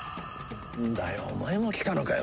なんだよお前も来たのかよ